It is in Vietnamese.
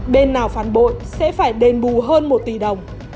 bên nào phản bội sẽ phải đền bù hơn một tỷ đồng